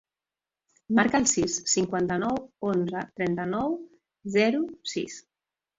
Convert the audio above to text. Marca el sis, cinquanta-nou, onze, trenta-nou, zero, sis.